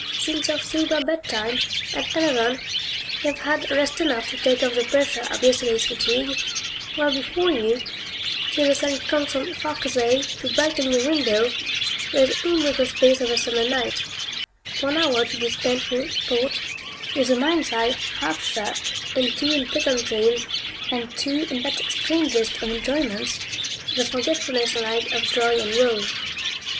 Since your sober bedtime, at eleven, you have had rest enough to take off the pressure of yesterday's fatigue; while before you, till the sun comes from "far Cathay" to brighten your window, there is almost the space of a summer night; one hour to be spent in thought, with the mind's eye half shut, and two in pleasant dreams, and two in that strangest of enjoyments, the forgetfulness alike of joy and woe.